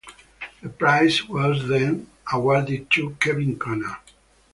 The prize was then awarded to Kevin Connor.